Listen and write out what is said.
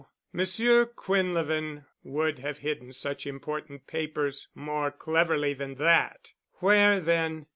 Monsieur Quinlevin would have hidden such important papers more cleverly than that. Where then?